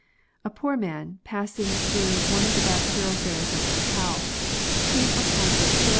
A poor, man, passing through one of the back thoroughfares in Hankow, came upon a Tls.